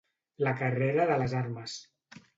La carrera de les armes.